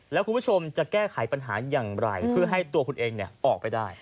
แล้วคุณผู้ชมจะแก้ไขปัญหาอย่างไรเพื่อให้ตัวคุณเองออกไปได้